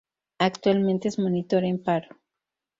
Actualmente es monitor en paro.